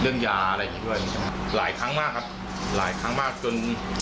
เรื่องยาอะไรอย่างนี้ด้วยครับหลายครั้งมากครับหลายครั้งมากจน